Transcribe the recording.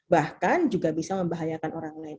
bahkan juga bisa membahayakan orang lain